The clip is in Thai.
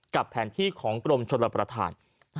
กับแผนที่ของกรมชนรับประทาน